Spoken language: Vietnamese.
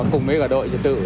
cùng với cả đội trật tự